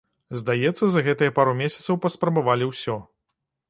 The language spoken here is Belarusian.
Здаецца за гэтыя пару месяцаў паспрабавалі ўсё.